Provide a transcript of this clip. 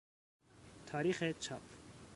تاریخ چاپ